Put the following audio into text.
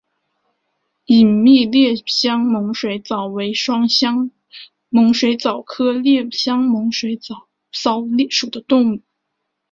隐密裂囊猛水蚤为双囊猛水蚤科裂囊猛水蚤属的动物。